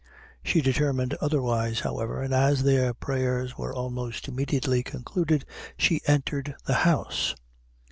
She determined otherwise, however, and as their prayers were almost immediately concluded, she entered the house.